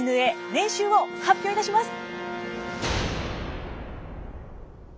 年収を発表いたします。